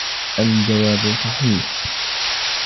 الجواب صحيح.